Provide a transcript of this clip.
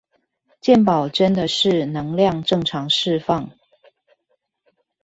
健保真的是能量正常釋放